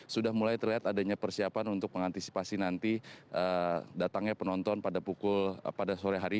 sudah mulai terlihat adanya persiapan untuk mengantisipasi nanti datangnya penonton pada pukul pada sore hari